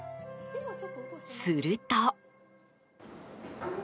すると。